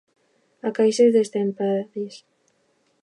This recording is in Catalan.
A caixes destrempades.